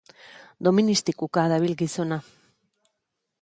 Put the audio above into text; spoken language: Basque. Doministikuka dabil gizona